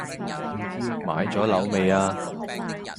買左樓未呀